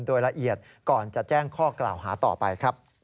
โดยละเอียดก่อนจะแจ้งข้อกล่าวหาต่อไปครับ